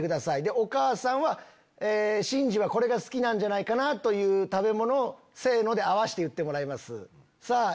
お母さんは慎二はこれが好きじゃないかという食べ物をせの！で合わせて言ってもらいます。